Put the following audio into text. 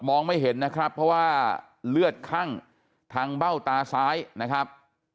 ไม่เห็นนะครับเพราะว่าเลือดคั่งทางเบ้าตาซ้ายนะครับ